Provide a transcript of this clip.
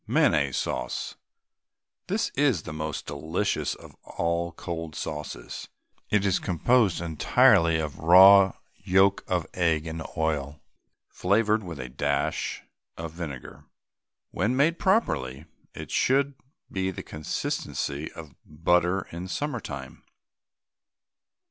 MAYONNAISE SAUCE. This is the most delicious of all cold sauces. It is composed entirely of raw yolk of egg and oil, flavoured with a dash of vinegar. When made properly it should be of the consistency of butter in summer time.